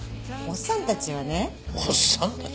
「おっさんたち」って。